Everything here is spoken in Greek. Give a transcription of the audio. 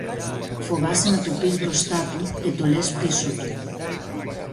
Φοβάσαι να το πεις μπροστά του και το λες πίσω του.